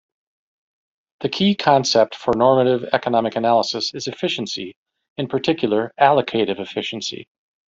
The key concept for normative economic analysis is efficiency, in particular, allocative efficiency.